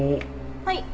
はい。